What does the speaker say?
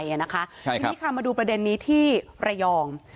ทีนี้ค่ะมาดูประเด็นนี้ที่ระยอง